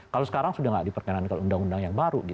kalau sekarang sudah tidak diperkenankan kalau undang undang yang baru